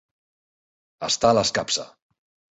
Estar a l'escapça.